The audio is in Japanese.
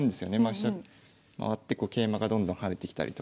飛車回って桂馬がどんどん跳ねてきたりとか。